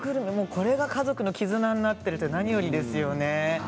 これが家族の絆になっているのは何よりですよね。